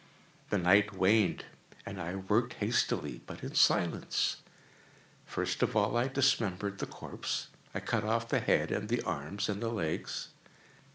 The night waned, and I worked hastily, but in silence. First of all I dismembered the corpse. I cut off the head and the arms and the legs.